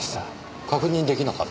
確認出来なかった？